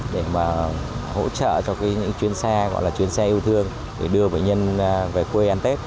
để mà hỗ trợ cho những chuyến xe gọi là chuyến xe yêu thương để đưa bệnh nhân về quê ăn tết